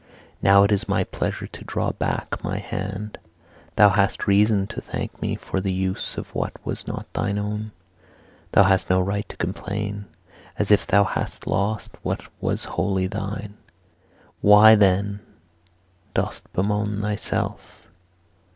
Now it is my pleasure to draw back my hand. Thou hast reason to thank me for the use of what was not thine own; thou hast no right to complain, as if thou hadst lost what was wholly thine. Why, then, dost bemoan thyself?